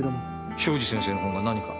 庄司先生の本が何か？